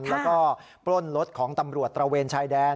แล้วก็ปล้นรถของตำรวจตระเวนชายแดน